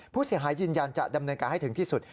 ผู้เสียหายยืนยันจะดำเนินการให้ถึงที่สุด